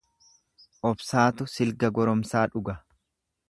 Obsaatu silga goromsaa dhuga.